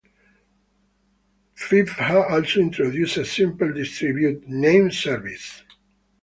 V had also introduced a simple distributed "name service".